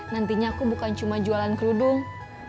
nantinya aku bukan cuma jualan keluarga tapi juga produksi baju muslim